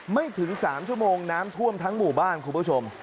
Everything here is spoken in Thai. ไม่ถึง๓ชั่วโมงน้ำท่วมทั้งหมู่บ้านคุณผู้ชม